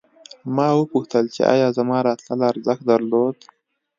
ما وپوښتل چې ایا زما راتلل ارزښت درلود